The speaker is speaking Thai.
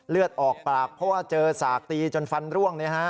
เลือดออกปากเพราะว่าเจอสากตีจนฟันร่วง